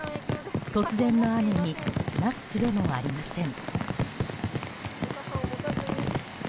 突然の雨になすすべもありません。